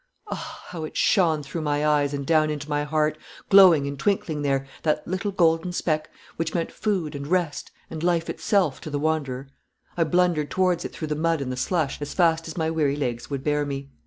Ah, how it shone through my eyes and down into my heart, glowing and twinkling there, that little golden speck, which meant food, and rest, and life itself to the wanderer! I blundered towards it through the mud and the slush as fast as my weary legs would bear me.